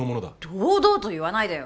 堂々と言わないでよ。